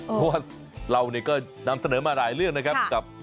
เพราะว่าเราก็นำเสนอมาหลายเรื่องนะครับกับ